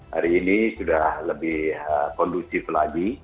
hari ini sudah lebih kondusif lagi